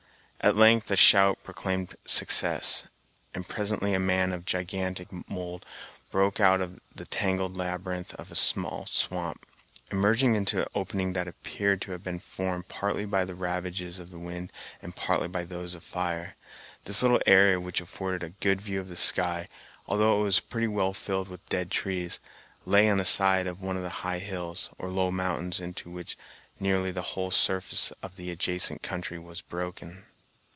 At length a shout proclaimed success, and presently a man of gigantic mould broke out of the tangled labyrinth of a small swamp, emerging into an opening that appeared to have been formed partly by the ravages of the wind, and partly by those of fire. This little area, which afforded a good view of the sky, although it was pretty well filled with dead trees, lay on the side of one of the high hills, or low mountains, into which nearly the whole surface of the adjacent country was broken.